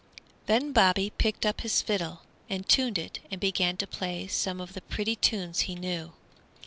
Then Bobby picked up his fiddle and tuned it and began to play some of the pretty tunes he knew.